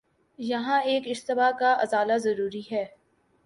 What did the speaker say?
یہاں ایک اشتباہ کا ازالہ ضروری ہے۔